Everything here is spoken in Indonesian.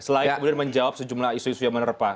selain kemudian menjawab sejumlah isu isu yang menerpa